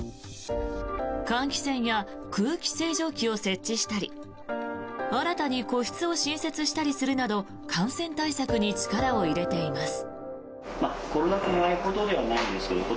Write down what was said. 換気扇や空気清浄機を設置したり新たに個室を新設したりするなど感染対策に力を入れています。